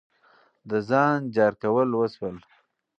د ځان جار کول وسول.